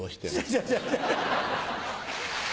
違う違う！